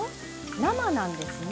生なんですね。